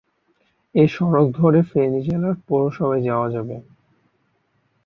এই সড়ক ধরে ফেনী জেলার পৌরসভায় যাওয়া যাবে।